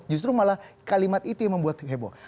justru malah kalimat itu yang membuat heboh